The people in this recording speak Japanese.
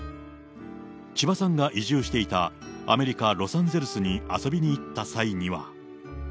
千葉さんが移住していたアメリカ・ロサンゼルスに遊びに行った際には。